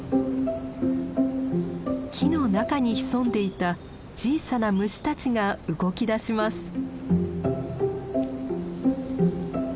木の中に潜んでいた小さな虫たちが動きだします。